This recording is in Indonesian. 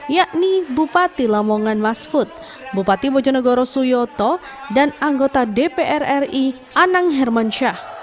yakni bupati lamongan masud bupati bojonegoro suyoto dan anggota dpr ri anang hermansyah